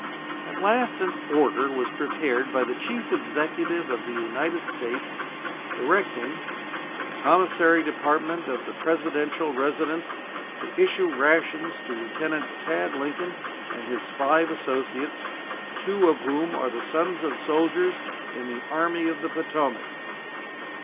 At last an "order" was prepared by the Chief Executive of the United States directing "The Commissary Department of the Presidential Residence to issue rations to Lieutenant Tad Lincoln and his five associates, two of whom are the sons of soldiers in the Army of the Potomac."